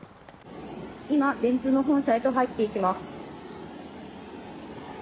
今、電通の本社へと入っていきます。